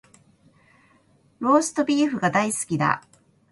ローストビーフが大好きだ